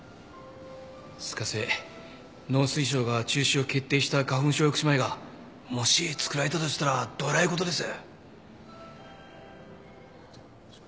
しかし農水省が中止を決定した花粉症抑止米がもし作られたとしたらどえらいことです。